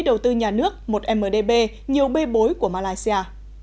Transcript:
đầu tư nhà nước một mdb nhiều bê bối của malaysia